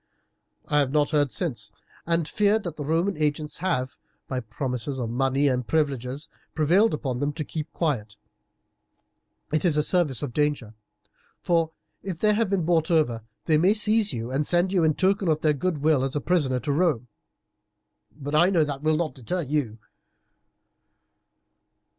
I have not heard since, and fear that the Roman agents have, by promises of money and privileges, prevailed upon them to keep quiet. It is a service of danger; for if they have been bought over they may seize you and send you in token of their goodwill as a prisoner to Rome; but I know that will not deter you."